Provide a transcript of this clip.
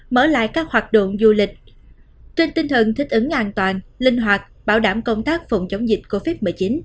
mở lại các hoạt động du lịch trên tinh thần thích ứng an toàn linh hoạt bảo đảm công tác phòng chống dịch covid một mươi chín